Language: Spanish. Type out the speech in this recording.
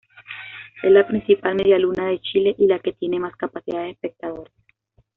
Es la principal medialuna de Chile y la que tiene más capacidad de espectadores.